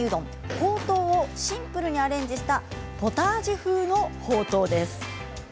ほうとうをシンプルにアレンジしたポタージュ風のほうとうです。